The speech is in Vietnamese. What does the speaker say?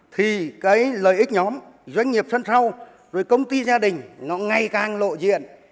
thì cái lợi ích nhóm doanh nghiệp sân sâu rồi công ty gia đình nó ngày càng lộ diện